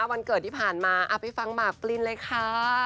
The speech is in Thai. วันเกิดที่ผ่านมาไปฟังหมากปลินเลยค่ะ